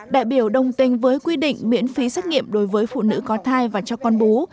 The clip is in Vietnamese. đại biểu đồng tình với quy định miễn phí xét nghiệm đối với phụ nữ có thai và cho con bú